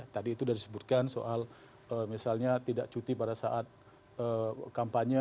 tadi itu sudah disebutkan soal misalnya tidak cuti pada saat kampanye